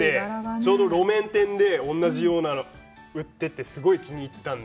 ちょうど路面店で同じようなのが売ってたので、すごい気に入ったんで。